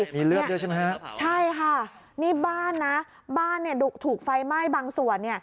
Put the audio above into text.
มีเลือดด้วยใช่ไหมฮะใช่ค่ะนี่บ้านนะบ้านเนี่ยถูกไฟไหม้บางส่วน